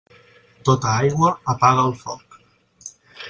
Tota aigua apaga el foc.